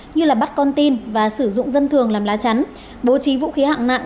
như là bắt con tin và sử dụng dân thường làm lá chắn bố trí vũ khí hạng nặng